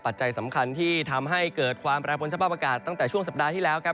ปัจจัยสำคัญที่ทำให้เกิดความแปรปนสภาพอากาศตั้งแต่ช่วงสัปดาห์ที่แล้วครับ